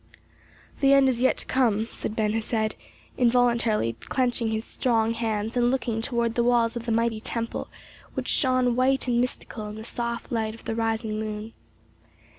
'" "The end is yet to come," said Ben Hesed, involuntarily clenching his strong hands and looking toward the walls of the mighty temple, which shone white and mystical in the soft light of the rising moon.